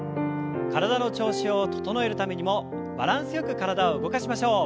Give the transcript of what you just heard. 体の調子を整えるためにもバランスよく体を動かしましょう。